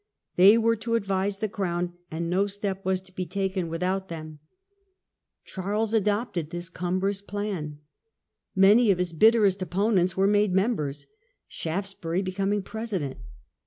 They were to advise the crown, and no step was to be taken without them. A CANDIDATE FOR THE THRONE. 83 Charles adopted this cumbrous plan. Many of his bitterest opponents were made members, Shaftesbury be coming President.